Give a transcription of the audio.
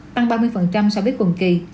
tăng ba mươi so với quần kỳ